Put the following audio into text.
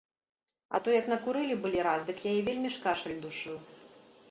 А то як накурылі былі раз, дык яе вельмі ж кашаль душыў.